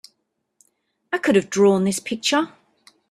I could have drawn this picture!